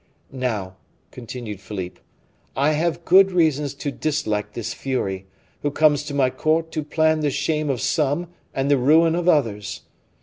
"Now," continued Philippe, "I have good reason to dislike this fury, who comes to my court to plan the shame of some and the ruin of others.